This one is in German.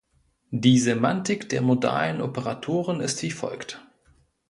Die Semantik der modalen Operatoren ist wie folgt.